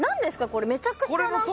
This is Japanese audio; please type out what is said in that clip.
これめちゃくちゃなんか。